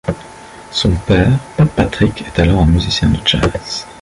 Son père, Pat Patrick, est alors un musicien de jazz.